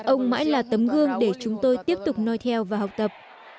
ông mãi là tấm gương để chúng tôi tiếp tục noi theo và học tập